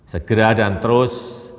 segera dan terus